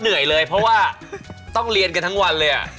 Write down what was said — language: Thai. เหนื่อยเลยเพราะว่าต้องเรียนกันทั้งวันเลย